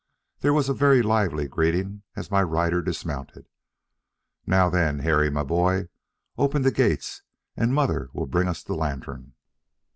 There was a very lively greeting as my rider dismounted. "Now, then, Harry, my boy, open the gates, and mother will bring us the lantern."